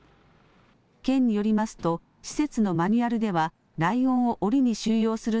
県によりますと施設のマニュアルではライオンをおりに収容する